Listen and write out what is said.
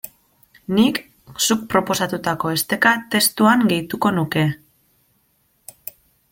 Nik zuk proposatutako esteka testuan gehituko nuke.